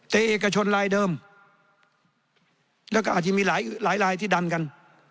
แต่เอกชนลายเดิมแล้วก็อาจจะมีหลายลายที่ดันกัน